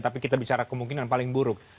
tapi kita bicara kemungkinan paling buruk